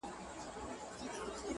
بيا ولې ستا د ښايست هغه عالمگير ورک دی!